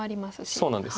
そうなんです。